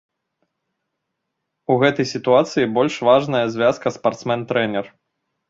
У гэтай сітуацыі больш важная звязка спартсмен-трэнер.